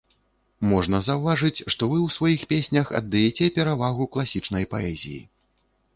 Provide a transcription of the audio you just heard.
Можна заўважыць, што вы ў сваіх песнях аддаяце перавагу класічнай паэзіі.